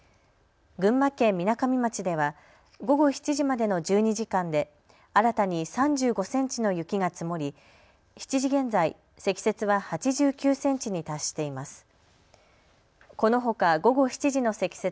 群馬県みなかみ町では午後７時までの１２時間で新たに３５センチの雪が積もり７時現在、積雪は８９センチに達しています。